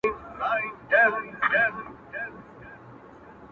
بیرته منصوري ځنځیر له ښار څخه ایستلی یم -